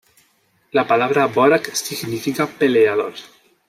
La palabra "Borac" significa Peleador.